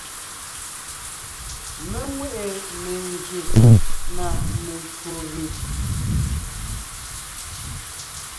Mé nwé ʼe mengyè na mencwò gʉ.